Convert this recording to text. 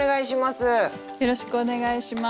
よろしくお願いします。